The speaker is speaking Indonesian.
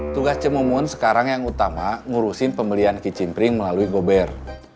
tugas cemumun sekarang yang utama ngurusin pembelian kicimpring melalui gober